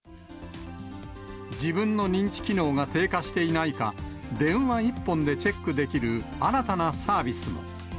自分の認知機能が低下していないか、電話一本でチェックできる新たなサービスも。